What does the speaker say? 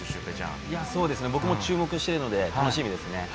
僕も注目してるので楽しみです。